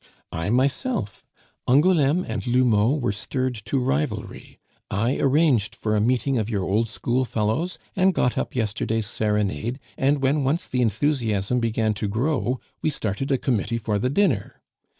"I myself. Angouleme and L'Houmeau were stirred to rivalry; I arranged for a meeting of your old schoolfellows, and got up yesterday's serenade; and when once the enthusiasm began to grow, we started a committee for the dinner.